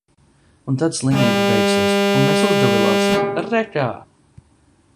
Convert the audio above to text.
Un tad slimība beigsies. Un mēs uzgavilēsim – re, kā!